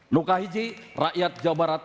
nukahiji rakyat jawa barat